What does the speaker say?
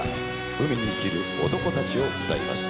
海に生きる男たちを歌います。